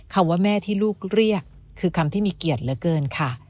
คำว่าแม่ที่ลูกเรียกคือคำที่มีเกียรติเหลือเกินค่ะ